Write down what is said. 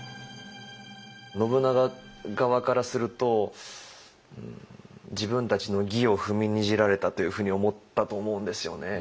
信長側からすると自分たちの義を踏みにじられたというふうに思ったと思うんですよね。